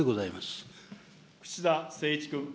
串田誠一君。